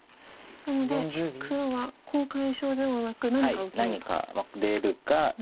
なので黒はコウを解消ではなく何か受けると。